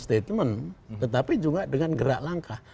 bukan hanya dengan statement tetapi juga dengan gerak langkah